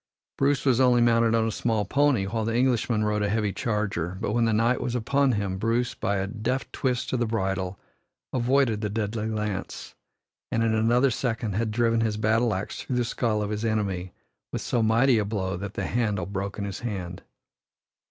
Bruce was only mounted on a small pony, while the Englishman rode a heavy charger but when the knight was upon him, Bruce, by a deft twist of the bridle, avoided the deadly lance, and in another second had driven his battle axe through the skull of his enemy with so mighty a blow that the handle broke in his hand.